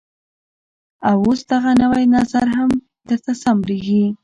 او اوس دغه نوى نظر هم درته سم بريښي.